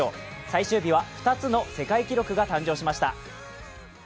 最終日は２つの世界記録が誕生しました。